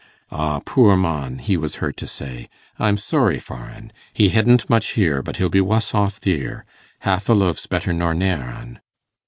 'Ah, poor mon,' he was heard to say, 'I'm sorry for un. He hedn't much here, but he'll be wuss off theer. Half a loaf's better nor ne'er un.